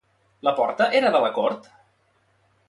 La porta era de la cort?